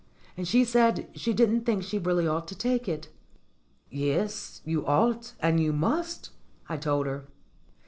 And she said she didn't think she really ought to take it. "Yes, you ought and you must," I told her.